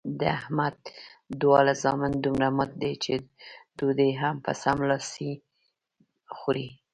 د احمد دواړه زامن دومره مټ دي چې ډوډۍ هم په څملاستې خوري.